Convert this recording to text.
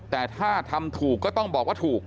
แต่ถ้าทำถูกก็ต้องบอกว่าถูก